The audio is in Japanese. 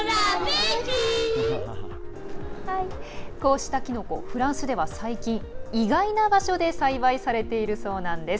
こうした、きのこフランスでは最近、意外な場所で栽培されているそうなんです。